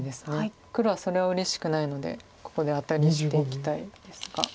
黒はそれはうれしくないのでここでアタリしていきたいですが。